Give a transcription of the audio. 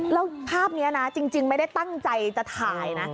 แล้วภาพนี้นะจริงไม่ได้ตั้งใจจะถ่ายนะ